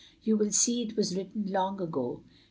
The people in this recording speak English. You will see it was written long ago.